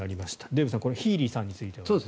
デーブさんヒーリーさんについては。